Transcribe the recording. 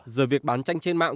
giờ việc bán tranh trên mạng